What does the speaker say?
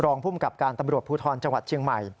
ภูมิกับการตำรวจภูทรจังหวัดเชียงใหม่